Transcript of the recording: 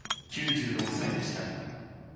９６歳でした。